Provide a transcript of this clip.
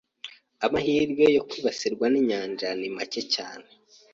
Amahirwe yo kwibasirwa ninyanja ni make cyane.